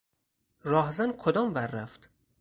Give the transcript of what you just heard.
راهزن کدام ور رفت؟